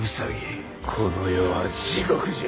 この世は地獄じゃ。